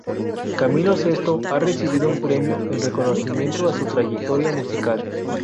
Camilo Sesto ha recibido un premio en reconocimiento a su trayectoria musical.